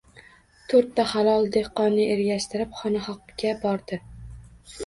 To‘rtta halol dehqonni ergashtirib, xonaqoga bordi.